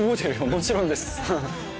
もちろんです！